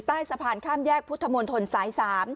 ใต้สะพานข้ามแยกพุทธมนตรสาย๓